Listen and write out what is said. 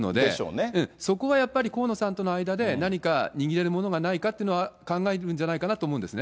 そこはやっぱり河野さんとの間で何か握れるものがないか考えてるんじゃないかなと思うんですね。